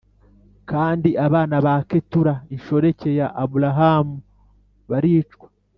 Kandi abana ba Ketura inshoreke ya Aburahamu baricwa